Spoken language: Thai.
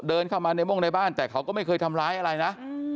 เดินเข้ามาในโม่งในบ้านแต่เขาก็ไม่เคยทำร้ายอะไรนะ